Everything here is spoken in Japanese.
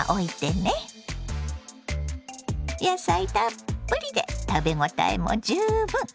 野菜たっぷりで食べ応えも十分。